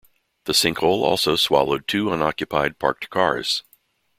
The sinkhole also swallowed two unoccupied parked cars.